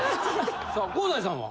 さあ香西さんは？